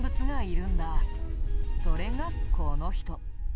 それがこの人。